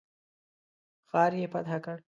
ښار یې فتح کړ.